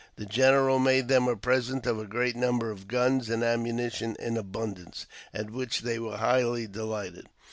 The general made them a present of a great number of guns, and ammunition in abun dance, at which they were highly delighted.